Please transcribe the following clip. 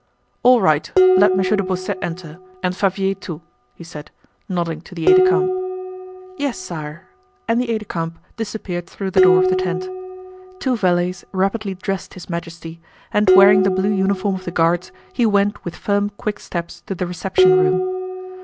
"All right. Let Monsieur de Beausset enter, and Fabvier too," he said, nodding to the aide de camp. "Yes, sire," and the aide de camp disappeared through the door of the tent. Two valets rapidly dressed His Majesty, and wearing the blue uniform of the Guards he went with firm quick steps to the reception room.